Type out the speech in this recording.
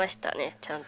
ちゃんと。